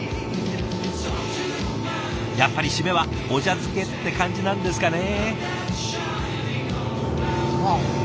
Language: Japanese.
やっぱり締めはお茶漬けって感じなんですかね。